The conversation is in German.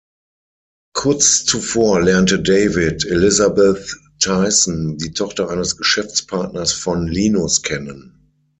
Kurz zuvor lernte David Elizabeth Tyson, die Tochter eines Geschäftspartners von Linus, kennen.